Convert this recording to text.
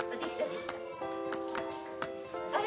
あれ？